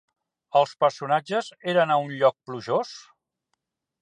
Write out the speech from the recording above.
Els personatges eren a un lloc plujós?